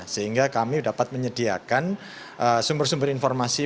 sehingga kami dapat menyediakan sumber sumber informasi